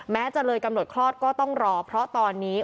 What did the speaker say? จะเลยกำหนดคลอดก็ต้องรอเพราะตอนนี้